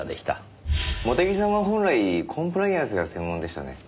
茂手木さんは本来コンプライアンスが専門でしたね。